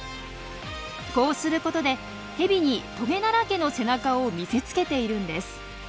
こうすることでヘビにトゲだらけの背中を見せつけているんです。